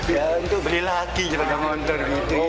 ya untuk beli lagi sepeda motor gitu